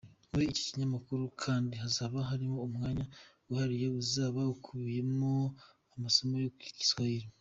Muri iki kinyamakuru kandi hazaba harimo umwanya wihariye uzaba ukubiyemo amasomo yo kwiga igiswahili.